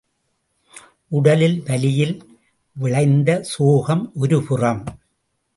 உடல் வலியில் விளைந்த சோகம் ஒரு புறம்.